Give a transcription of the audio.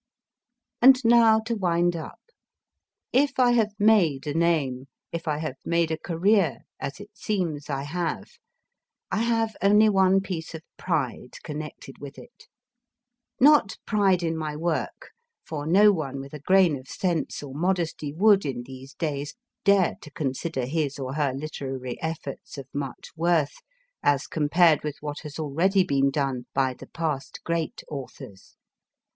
And now to wind up ; if I have made a name, if I have made a career, as it seems I have, I have only one piece of pride connected with it. Not pride in my work, for no one with a grain of sense or modesty would, in these days, dare to consider his or her literary efforts of much worth, as com pared with what has already been done by the past great authors.